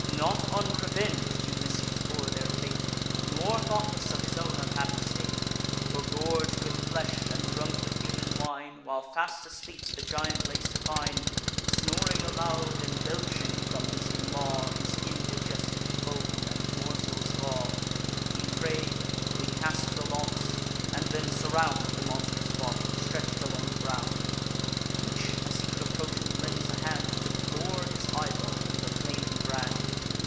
"'Not unreveng'd Ulysses bore their fate, Nor thoughtless of his own unhappy state; For, gorg'd with flesh, and drunk with human wine While fast asleep the giant lay supine, Snoring aloud, and belching from his maw His indigested foam, and morsels raw; We pray; we cast the lots, and then surround The monstrous body, stretch'd along the ground: Each, as he could approach him, lends a hand To bore his eyeball with a flaming brand.